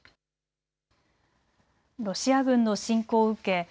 ロシア軍の侵攻を受け